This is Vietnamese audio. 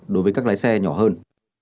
đối với các lái xe nhỏ hơn